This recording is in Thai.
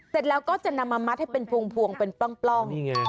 เสร็จแล้วก็จะนำมามัดให้เป็นพวงเป็นปล้อง